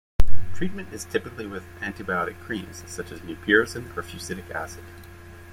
Treatment is typically with antibiotic creams such as mupirocin or fusidic acid.